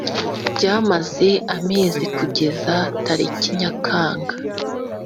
byamaze amezi kugeza tariki Nyakanga